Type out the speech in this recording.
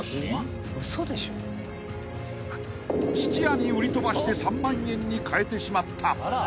［質屋に売り飛ばして３万円に換えてしまった］